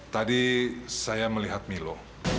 tadi saya melihat milo